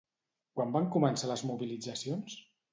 Quan van començar les mobilitzacions?